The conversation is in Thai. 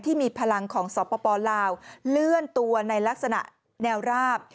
ที่มีพลังของสปลาวเลื่อนตัวในลักษณะแนวราบ